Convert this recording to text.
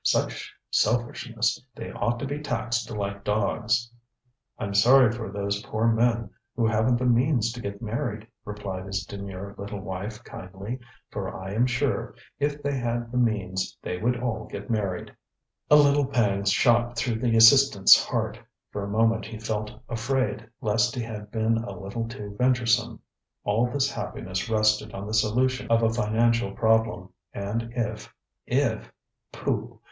Such selfishness! They ought to be taxed like dogs. ŌĆØ ŌĆ£IŌĆÖm sorry for those poor men who havenŌĆÖt the means to get married, ŌĆØ replied his demure little wife kindly, ŌĆ£for I am sure, if they had the means they would all get married. ŌĆØ A little pang shot through the assistantŌĆÖs heart; for a moment he felt afraid, lest he had been a little too venturesome. All his happiness rested on the solution of a financial problem, and if, if.... Pooh!